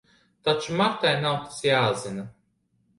Taču Martai nav tas jāzina.